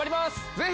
ぜひ。